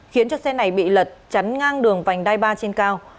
khiến cho xe này bị lật chắn ngang đường vành đai ba trên cao